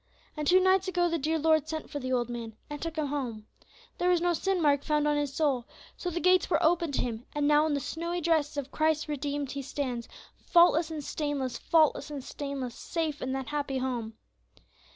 And two nights ago the dear Lord sent for the old man, and took him home. There was no sin mark found on his soul, so the gates were opened to him; and now in the snowy dress of Christ's redeemed he stands, 'faultless and stainless, faultless and stainless, safe in that happy home.'